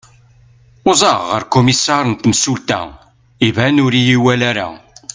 uẓaɣ ɣer ukumisar n temsulta iban ur iyi-iwali ara